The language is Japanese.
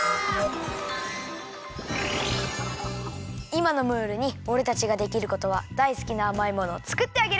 いまのムールにおれたちができることはだいすきなあまいものをつくってあげること。